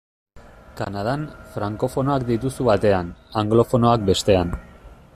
Kanadan, frankofonoak dituzu batean, anglofonoak bestean.